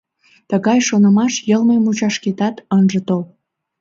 Тыгай шонымаш йылме мучашкетат ынже тол.